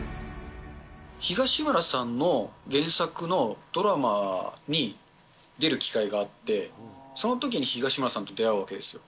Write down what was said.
東村さんの原作のドラマに出る機会があって、そのときに東村さんと出会うわけですよ。